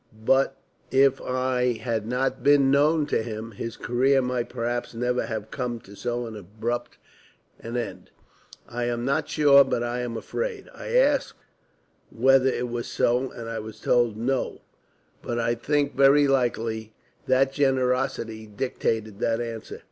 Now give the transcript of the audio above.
But if I had not been known to him, his career might perhaps never have come to so abrupt an end. I am not sure, but I am afraid. I asked whether it was so, and I was told 'no,' but I think very likely that generosity dictated that answer.